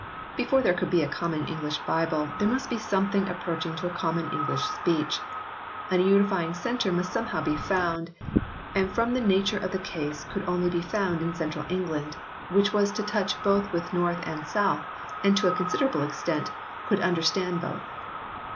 Before there could be a common English Bible there must be something approaching to a common English speech. A unifying centre must somehow be found, and from the nature of the case could only be found in central England, which was in touch both with north and south, and to a considerable extent could understand both.